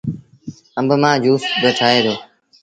آݩب مآݩ جُوس با ٺهي دو۔